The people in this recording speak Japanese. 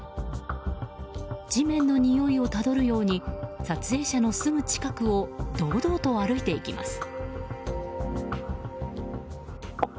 地面のにおいをたどるように撮影者のすぐ近くを堂々と歩いていきます。